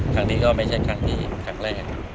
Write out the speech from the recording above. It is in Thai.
ครั้งนี้ก็ไม่ใช่ครั้งแรก